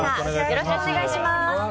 よろしくお願いします。